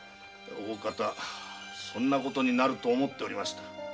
大方そんなことになると思っていました。